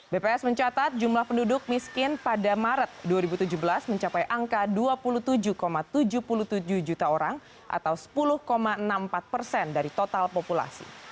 bps mencatat jumlah penduduk miskin pada maret dua ribu tujuh belas mencapai angka dua puluh tujuh tujuh puluh tujuh juta orang atau sepuluh enam puluh empat persen dari total populasi